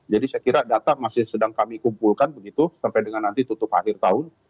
jadi saya kira data masih sedang kami kumpulkan begitu sampai dengan nanti tutup akhir tahun